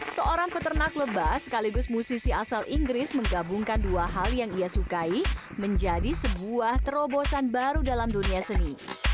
seorang peternak lebah sekaligus musisi asal inggris menggabungkan dua hal yang ia sukai menjadi sebuah terobosan baru dalam dunia seni